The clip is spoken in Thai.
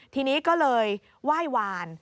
ทีนี้ก็เลยไหว้วาน